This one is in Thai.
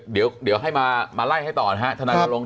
เดี๋ยวเดี๋ยวให้มามาไล่ให้ต่อนะฮะธนาลง